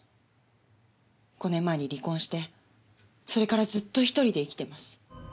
５年前に離婚してそれからずっと１人で生きてます。